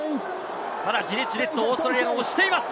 ただ、じりじりとオーストラリアが落ちています。